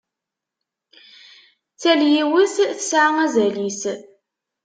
Tal yiwet tesɛa azal-is.